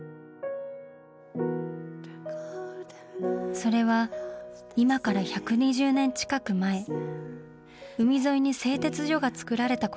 それは今から１２０年近く前海沿いに製鉄所が造られたことから始まった。